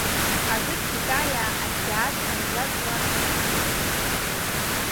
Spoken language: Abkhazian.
Ажәытә китаиаа ақьаад амжәаҵла ацәа иалырхуан.